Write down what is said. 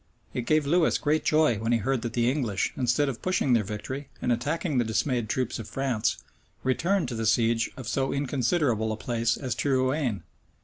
It gave Lewis great joy when he heard that the English, instead of pushing their victory, and attacking the dismayed troops of France, returned to the siege of so inconsiderable a place as Terouane.